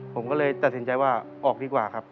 ผมก็เลยตัดสินใจว่าออกดีกว่าครับ